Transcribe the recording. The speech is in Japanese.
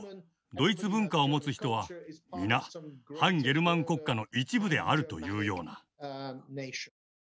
ドイツ文化を持つ人は皆汎ゲルマン国家の一部であるというような。